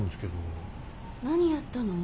何やったの？